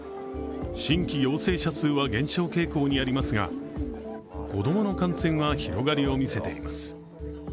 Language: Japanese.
新規陽性者数は減少傾向にありますが子供の感染は広がりを見せています。